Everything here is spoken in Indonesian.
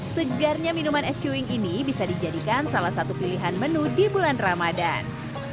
segarnya minuman es cuing ini bisa dijadikan salah satu pilihan menu di bulan ramadan